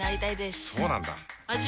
そうなんだ。